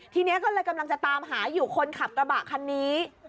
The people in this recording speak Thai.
ทีนี้ก็เลยกำลังจะตามหาอยู่คนขับกระบะคันนี้